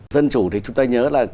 dân chủ thì chúng ta nhớ là